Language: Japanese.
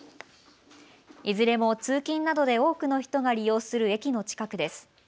いずれも通勤などで多くの人が利用する駅の近くです。